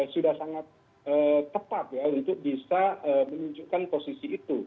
sudah sangat tepat ya untuk bisa menunjukkan posisi itu